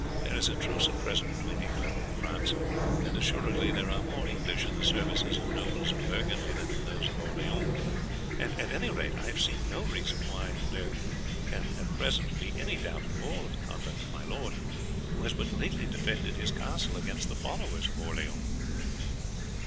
There is a truce at present between England and France, and assuredly there are more English in the service of nobles of Burgundy than in those of Orleans, and at any rate I have seen no reason why there can at present be any doubt at all of the conduct of my lord, who has but lately defended his castle against the followers of Orleans.'"